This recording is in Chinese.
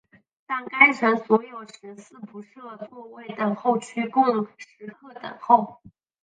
但该层所有食肆不设座位等候区供食客等候。